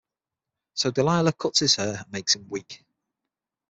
So Delilah cuts his hair and makes him weak.